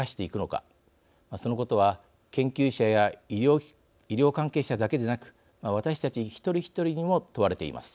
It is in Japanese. そのことは研究者や医療関係者だけでなく私たち一人一人にも問われています。